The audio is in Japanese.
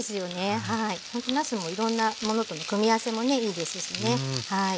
ほんとなすもいろんなものとね組み合わせもねいいですしね。